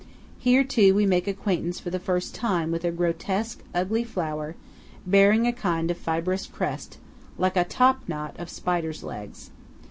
Here, too, we make acquaintance for the first time with a grotesque, ugly flower bearing a kind of fibrous crest, like a top knot of spiders' legs.